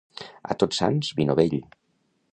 A Tots Sants, vi novell.